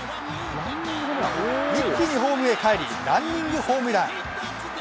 一気にホームへ帰り、ランニングホームラン。